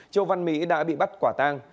châu văn mỹ đã bị bắt quả tang